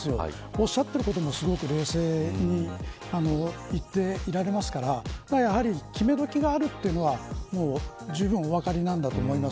おっしゃっていることもすごく冷静に言ってますから決め時があるというのはじゅうぶんお分かりなんだと思います。